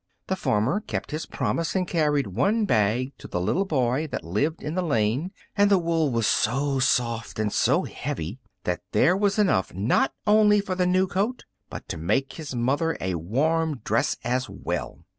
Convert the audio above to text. The farmer kept his promise and carried one bag to the little boy that lived in the lane, and the wool was so soft and so heavy that there was enough not only for the new coat, but to make his mother a warm dress as well.